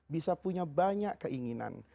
bisa punya banyak keinginan